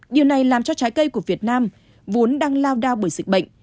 điều này làm cho trái cây của việt nam vốn đang lao đao bởi dịch bệnh